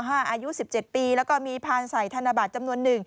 อายุ๑๗ปีและก็มีผ่านใส่ธรรมบาตรจำนวน๑